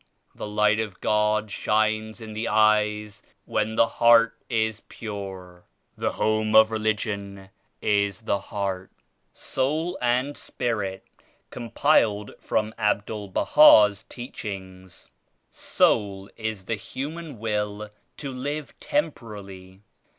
The Light of God shines in the eyes when the heart is pure. The home of Religion is the heart." 20 SOUL AND SPIRIT. (Compiled from Abdul Baha's Teachings.) Soul is the human will to live temporally.